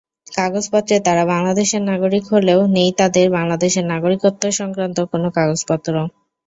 কাগজপত্রে তারা বাংলাদেশের নাগরিক হলেও নেই তাদের বাংলাদেশের নাগরিকত্ব-সংক্রান্ত কোনো কাগজপত্র।